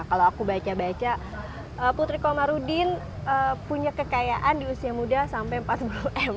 kalau aku baca baca putri komarudin punya kekayaan di usia muda sampai empat puluh m